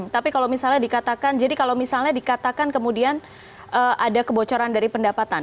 tapi kalau misalnya dikatakan jadi kalau misalnya dikatakan kemudian ada kebocoran dari pendapatan